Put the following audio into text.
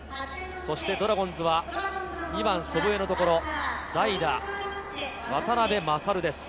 ドラゴンズは２番・祖父江のところ、代打・渡辺勝です。